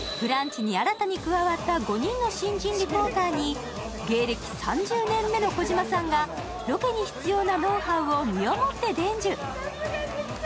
「ブランチ」に新たに加わった５人の新人リポーターに、芸歴３０年目の児嶋さんがロケに必要なノウハウを身を持って伝授。